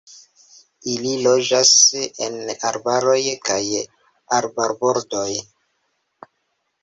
Ili loĝas en arbaroj kaj arbarbordoj.